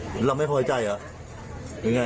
กินเหรอมรักไม่พอใจหรือหรือไง